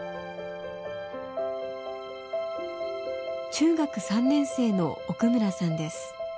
中学３年生の奥村さんです。